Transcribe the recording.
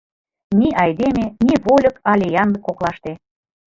Ни айдеме, ни вольык але янлык коклаште.